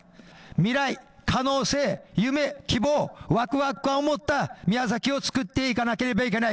未来、可能性、夢、希望、わくわく感を持った宮崎をつくっていかなければいけない。